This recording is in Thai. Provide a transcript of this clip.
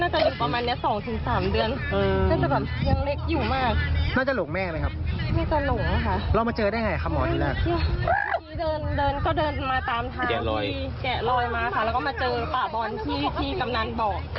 ด้วยนายก็ไม่ได้ตัดแหล่งกว่าดูยาก